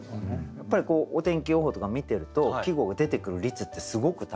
やっぱりお天気予報とか見てると季語が出てくる率ってすごく高いですよね。